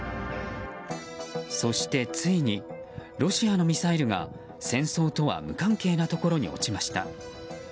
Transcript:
そして、ついにロシアのミサイルが戦争とは無関係なところに落ちました。